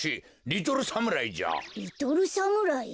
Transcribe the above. リトルサムライ？